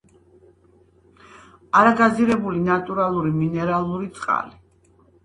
არა გაზირებული ნატურალური მინერალური წყალი